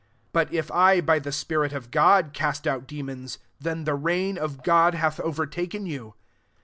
28 But if I by the spirit of God cast out demons, then the reign of God hath overtaken you.